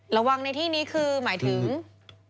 ระวังในที่นี้คือหมายถึง